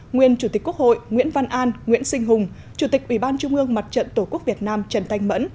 nguyên chủ tịch quốc hội nguyễn văn an nguyễn sinh hùng chủ tịch ubnd mặt trận tổ quốc việt nam trần thanh mẫn